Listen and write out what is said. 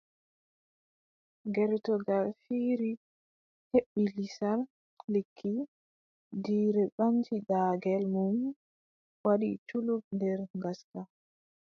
Gertogal fiiri heɓi lisal lekki! Jiire ɓaŋti daagel muum waɗi culuk nder ngaska!